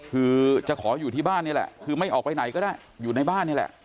คือจะขออยู่ที่บ้านนี่แหละคือไม่ออกไปไหนก็ได้อยู่ในบ้านนี่แหละ